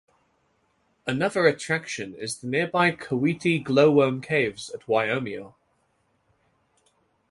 Another attraction is the nearby Kawiti glowworm Caves at Waiomio.